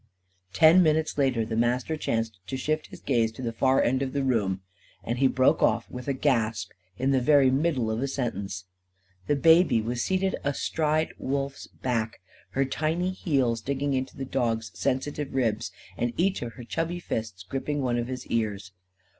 Ten minutes later the Master chanced to shift his gaze to the far end of the room. And he broke off, with a gasp, in the very middle of a sentence. The baby was seated astride Wolf's back, her tiny heels digging into the dog's sensitive ribs, and each of her chubby fists gripping one of his ears.